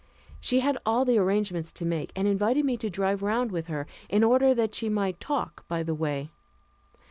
She had all the arrangements to make, and invited me to drive round with her, in order that she might talk by the way.